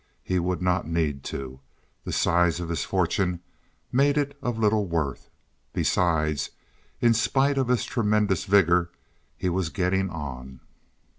He would not need to. The size of his fortune made it of little worth. Besides, in spite of his tremendous vigor, he was getting on.